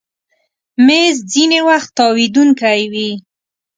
مېز ځینې وخت تاوېدونکی وي.